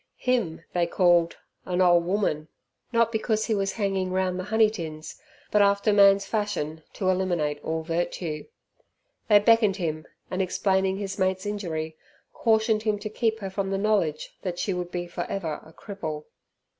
Him they called "a nole woman", not because he was hanging round the honey tins, but after man's fashion to eliminate all virtue. They beckoned him, and explaining his mate's injury, cautioned him to keep from her the knowledge that she would be for ever a cripple.